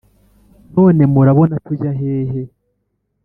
None murabona tujya hehe ?